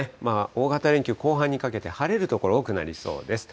大型連休後半にかけて、晴れる所多くなりそうです。